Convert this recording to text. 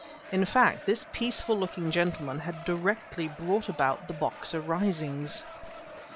In fact, this peaceful looking gentleman had directly brought about the Boxer Risings!